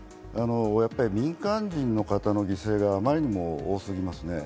やっぱり民間人の方の犠牲があまりにも多すぎますね。